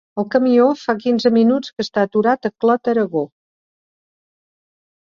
El camió fa quinze minuts que està aturat a Clot-Aragó.